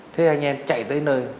thế anh em chạy tới nơi